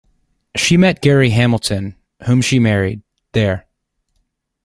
She met Gary Hamilton, whom she married, there.